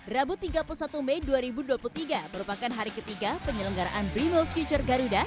rabu tiga puluh satu mei dua ribu dua puluh tiga merupakan hari ketiga penyelenggaraan brimo future garuda